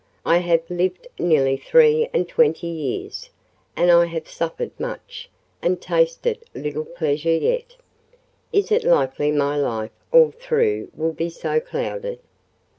I have lived nearly three and twenty years, and I have suffered much, and tasted little pleasure yet; is it likely my life all through will be so clouded?